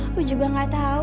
aku juga gak tau